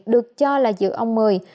được cho là giữa ông mười